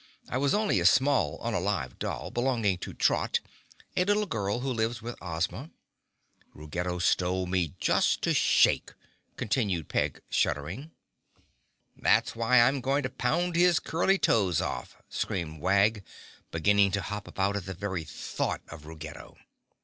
I was only a small, unalive doll, belonging to Trot, a little girl who lives with Ozma. Ruggedo stole me just to shake," continued Peg shuddering. "That's why I'm going to pound his curly toes off!" screamed Wag, beginning to hop about at the very thought of Ruggedo.